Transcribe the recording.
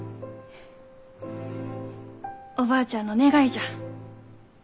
おばあちゃんの願いじゃ。